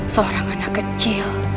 seorang anak kecil